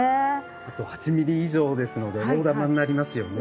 あと８ミリ以上ですので大珠になりますよね。